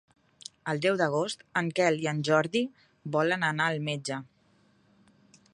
El deu d'agost en Quel i en Jordi volen anar al metge.